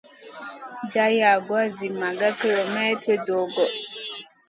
Jar yagoua zi maga kilemètre dogo.